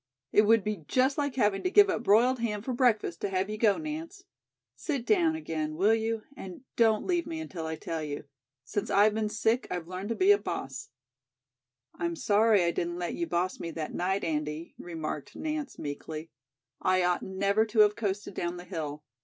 It would be just like having to give up broiled ham for breakfast to have you go, Nance. Sit down again, will you, and don't leave me until I tell you. Since I've been sick I've learned to be a boss." "I'm sorry I didn't let you boss me that night, Andy," remarked Nance meekly. "I ought never to have coasted down the hill.